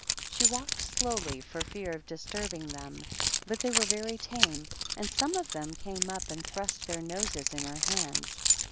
She walk slowly for fear of disturbing them, but they we very tame, and some of them came up and thri their noses in her hands.